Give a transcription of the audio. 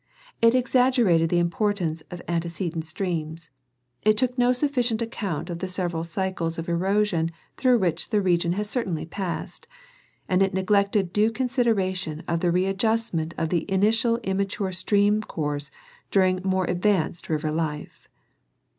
It exaggerated the importance of antecedent streams ; it took no sufficient account of the several cycles of erosion through which the region has certainly passed ; and it neglected due considera tion of the readjustment of initial immature stream courses dur ing more advanced river life.